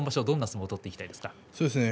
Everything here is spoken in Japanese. どんな相撲を取っていきたいですか。